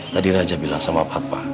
tadi raja bilang sama papa